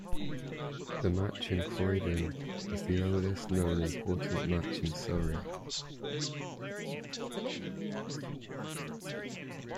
The match in Croydon is the earliest known important match in Surrey.